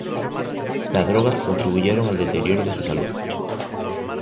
Las drogas contribuyeron al deterioro de su salud.